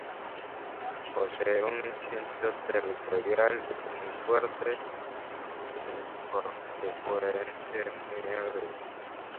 Posee un instinto territorial muy fuerte, por lo que puede ser muy agresivo.